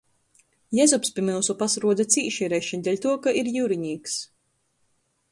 Jezups pi myusu pasaruoda cīši reši, deļtuo ka ir jiurinīks.